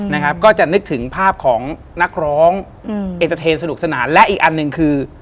นะครับก็จะนึกถึงภาพของนักร้องอืมเอ็นเตอร์เทนสนุกสนานและอีกอันหนึ่งคือ